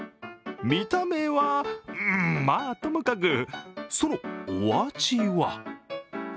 見た目はまあともかくそのお味は？